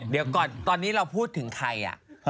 เดี๋ยวก่อนตอนนี้เราพูดถึงใคร